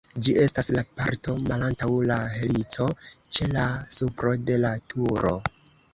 Ĝi estas la parto malantaŭ la helico, ĉe la supro de la turo.